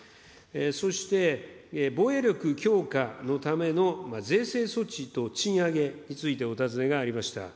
そして、防衛力強化のための税制措置と賃上げについてお尋ねがありました。